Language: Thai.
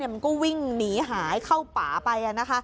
มันก็วิ่งหนีหายเข้าป่าไป